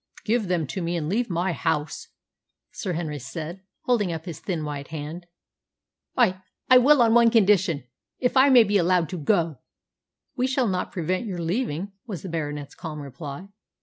"Give them to me and leave my house," Sir Henry said, holding up his thin white hand. "I I will on one condition: if I may be allowed to go." "We shall not prevent you leaving," was the Baronet's calm reply.